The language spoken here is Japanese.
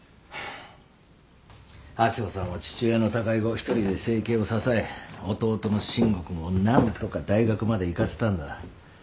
秋穂さんは父親の他界後１人で生計を支え弟の伸吾君を何とか大学まで行かせたんだ。